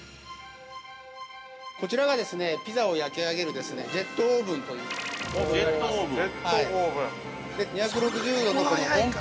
◆こちらがピザを焼き上げるジェットオーブンというものになります。